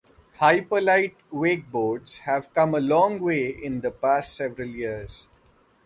Hyperlite wakeboards have come a long way in the past several years.